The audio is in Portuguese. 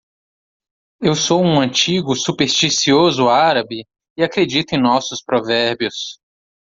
Eu sou um antigo? supersticioso árabe? e acredito em nossos provérbios.